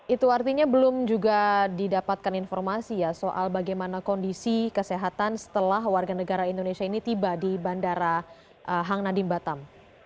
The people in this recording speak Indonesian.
itu artinya belum juga didapatkan informasi ya soal bagaimana kondisi kesehatan setelah warga negara indonesia ini tiba di bandara hang nadim batam